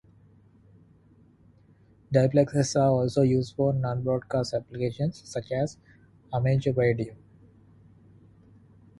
Diplexers are also used for non-broadcast applications such as amateur radio.